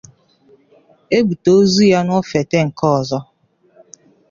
e bute ozu ya n'ofète nke ọzọ.